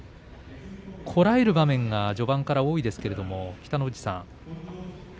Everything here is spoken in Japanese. こらえる場面が序盤から多いですけれど北の富士さん